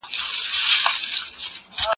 اوس مي دا لوی زړه ستا د دوسترګو په جنګ کي غورځي